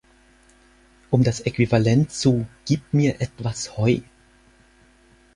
Um das Äquivalent zu "Gib mir etwas Heu!